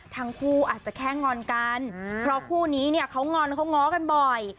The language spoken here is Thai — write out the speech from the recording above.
ทั้งคู่อาจจะแค่งอนกันเพราะคู่นี้เนี่ยเขางอนเขาง้อกันบ่อย